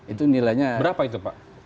itu nilainya berapa itu pak